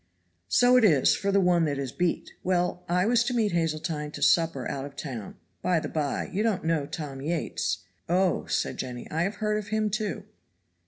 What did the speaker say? "So it is for the one that is beat. Well, I was to meet Hazeltine to supper out of town. By the by, you don't know Tom Yates?" "Oh," said Jenny, "I have heard of him, too."